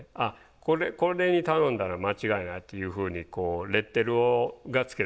これに頼んだら間違いないっていうふうにレッテルがつけれるわけですよ。